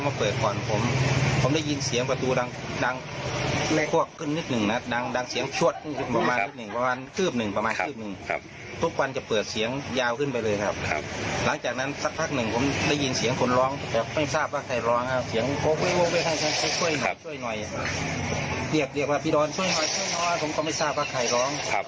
เหลียกว่าปิดรช่วยหน่อยช่วยล้อผมก็ไม่ทราบว่าใครร้อง